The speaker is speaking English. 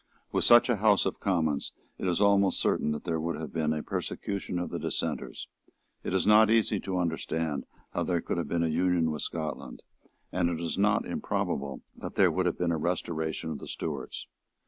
With such a House of Commons it is almost certain that there would have been a persecution of the Dissenters; it is not easy to understand how there could have been an union with Scotland; and it is not improbable that there would have been a restoration of the Stuarts.